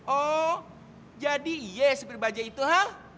oh jadi iya sepi bajetnya